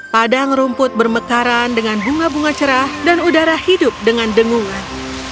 padang rumput bermekaran dengan bunga bunga cerah dan udara hidup dengan dengungan